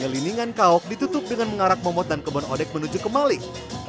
ngelindingan kaok ditutup dengan mengarak momot dan kebon odek menuju kemalik